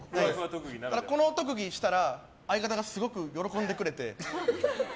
この特技したら相方がすごく喜んでくれて。